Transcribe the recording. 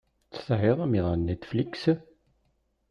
Tesɛiḍ amiḍan Netflix?